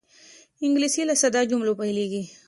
انګلیسي له ساده جملو پیلېږي